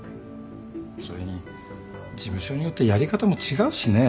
それに事務所によってやり方も違うしね。